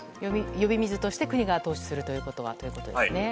呼び水として国が投資するということは、ということですね。